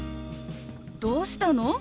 どうしたの？